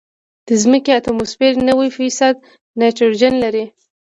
د ځمکې اتموسفیر نوي فیصده نایټروجن لري.